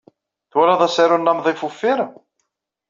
Twalaḍ asaru n Amḍif Uffir?